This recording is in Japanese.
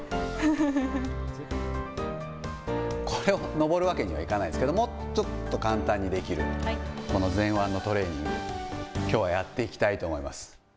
これを登るわけにはいかないですけど、もうちょっと簡単にできる、この前腕のトレーニング、きょうはやっていきたいと思います。